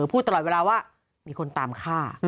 พูดตลอดเวลาว่ามีคนตามฆ่า